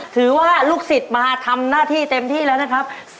ลูกศิษย์มาทำหน้าที่เต็มที่แล้วนะครับ